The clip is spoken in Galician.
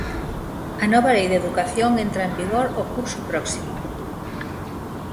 A nova lei de educación entra en vigor o curso próximo.